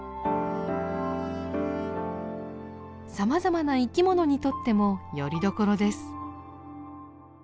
さまざまな生きものにとってもよりどころです。